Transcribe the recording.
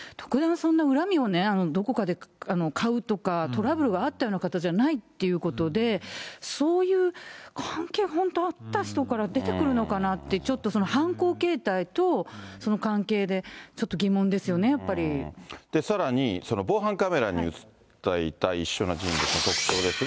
そんな恨みをどこかでかうとか、トラブルがあったような方じゃないということで、そういう関係、本当あった人から出てくるのかなって、ちょっと犯行形態とその関係で、さらに、その防犯カメラに写っていた一緒にいた人物の特徴ですが。